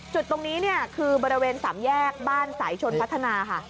จุดตรงนี้เนี่ยคือบริเวณสามแยกบ้านสายชนพัฒนาค่ะ